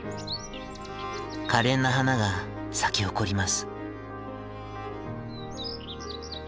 かれんな花が咲き誇ります。